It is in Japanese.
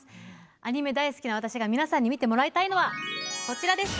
アニメ大好きな私が皆さんに見てもらいたいのはこちらです。